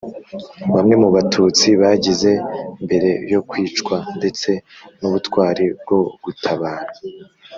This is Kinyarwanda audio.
bamwe mu Batutsi bagize mbere yo kwicwa ndetse n ubutwari bwo gutabara